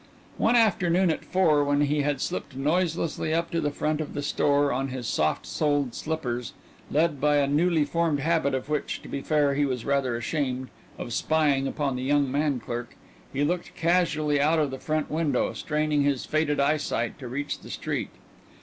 One afternoon at four when he had slipped noiselessly up to the front of the store on his soft soled slippers, led by a newly formed habit, of which, to be fair, he was rather ashamed, of spying upon the young man clerk, he looked casually out of the front window, straining his faded eyesight to reach the street.